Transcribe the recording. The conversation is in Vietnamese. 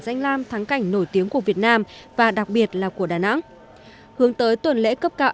danh lam thắng cảnh nổi tiếng của việt nam và đặc biệt là của đà nẵng hướng tới tuần lễ cấp cao